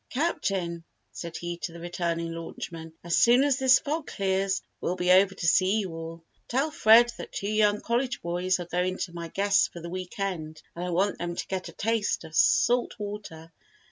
"Captain," said he to the returning launch man, "as soon as this fog clears, we'll be over to see you all. Tell Fred that two young college boys are going to be my guests for the week end and I want them to get a taste of salt water.